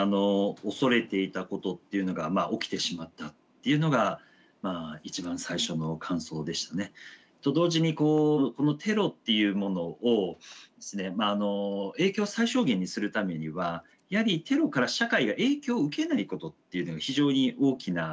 恐れていたことっていうのがまあ起きてしまったっていうのが一番最初の感想でしたね。と同時にこうこのテロっていうものを影響を最小限にするためにはやはりテロから社会が影響を受けないことっていうのが非常に大きなですね